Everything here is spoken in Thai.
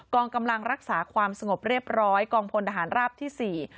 องกำลังรักษาความสงบเรียบร้อยกองพลทหารราบที่สี่